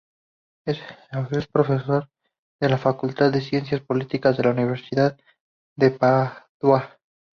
Es profesora en la Facultad de Ciencias Políticas de la Universidad de Padua.